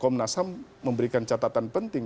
masa memberikan catatan penting